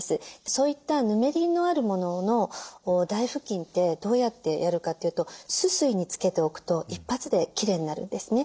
そういったヌメリのあるものの台布巾ってどうやってやるかというと酢水につけておくと一発できれいになるんですね。